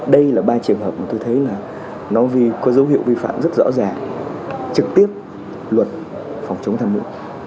dấu hiệu vi phạm rất rõ ràng trực tiếp luật phòng chống tham ngũ